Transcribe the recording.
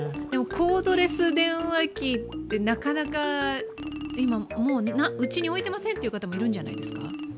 でも、コードレス電話機って今、うちに置いてませんという方いるんじゃないですか。